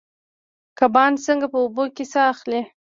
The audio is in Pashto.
کبان څنګه په اوبو کې ساه اخلي؟